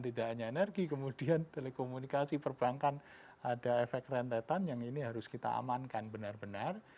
tidak hanya energi kemudian telekomunikasi perbankan ada efek rentetan yang ini harus kita amankan benar benar